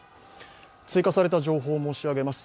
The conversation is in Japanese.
追加された情報を申し上げます。